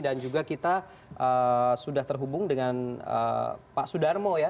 dan juga kita sudah terhubung dengan pak sudarmo ya